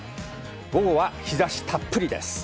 午後は日差したっぷりです。